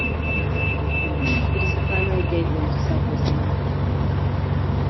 It is the primary gateway to South West England.